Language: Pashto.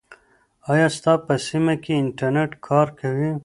آیا ستا په سیمه کې انټرنیټ کار کوي؟